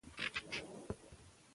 برتانويان محاصره سول.